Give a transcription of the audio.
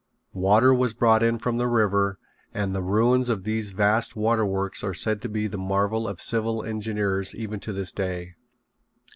Water was brought from the river and the ruins of these vast waterworks are said to be the marvel of civil engineers even to this day.